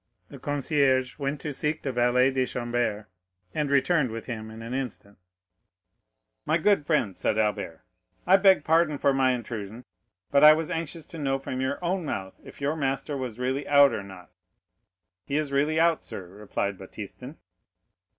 The concierge went to seek the valet de chambre, and returned with him in an instant. "My good friend," said Albert, "I beg pardon for my intrusion, but I was anxious to know from your own mouth if your master was really out or not." "He is really out, sir," replied Baptistin.